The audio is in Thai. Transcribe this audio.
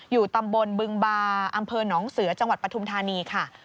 อยู่ตำบลบึงบาอำเภอหนองเสือจังหวัดปฐุมธานีค่ะ